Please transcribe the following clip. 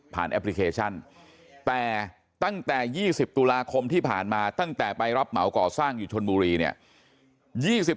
แอปพลิเคชันแต่ตั้งแต่๒๐ตุลาคมที่ผ่านมาตั้งแต่ไปรับเหมาก่อสร้างอยู่ชนบุรีเนี่ย